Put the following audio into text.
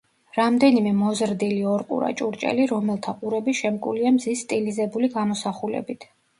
რამდენიმე მოზრდილი ორყურა ჭურჭელი, რომელთა ყურები შემკულია მზის სტილიზებული გამოსახულებით.